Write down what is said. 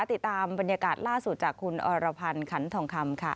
ติดตามบรรยากาศล่าสุดจากคุณอรพันธ์ขันทองคำค่ะ